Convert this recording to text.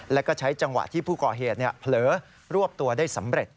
แล้วก็ใช้จังหวะที่ผู้ก่อเหตุเผลอรวบตัวได้สำเร็จ